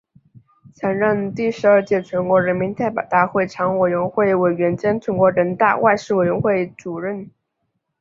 曾任第十二届全国人民代表大会常务委员会委员兼全国人大外事委员会主任委员。